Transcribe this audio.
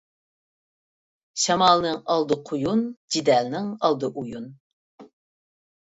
شامالنىڭ ئالدى قۇيۇن، جېدەلنىڭ ئالدى ئويۇن.